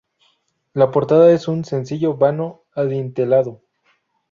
La portada es un sencillo vano adintelado.